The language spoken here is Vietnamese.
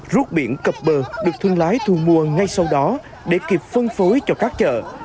rút biển cập bờ được thương lái thu mua ngay sau đó để kịp phân phối cho các chợ